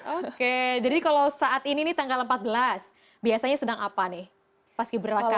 oke jadi kalau saat ini nih tanggal empat belas biasanya sedang apa nih paski beraka